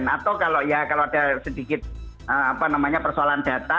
atau kalau ya kalau ada sedikit apa namanya persoalan data